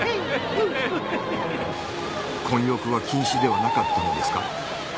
混浴は禁止ではなかったのですか？